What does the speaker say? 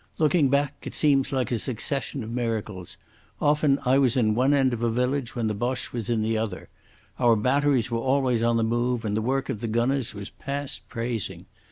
Looking back, it seems like a succession of miracles. Often I was in one end of a village when the Boche was in the other. Our batteries were always on the move, and the work of the gunners was past praising.